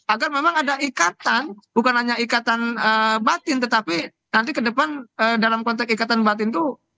agar memang ada ikatan bukan hanya ikatan batin tetapi nanti ke depan dalam konteks ikatan batin itu